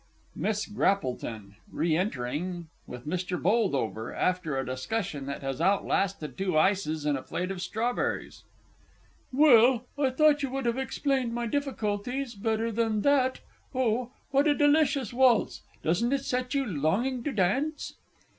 _ MRS. GRAPPLETON (re entering with MR. BOLDOVER, after a discussion that has outlasted two ices and a plate of strawberries). Well, I thought you would have explained my difficulties better than that oh, what a delicious waltz! Doesn't it set you longing to dance?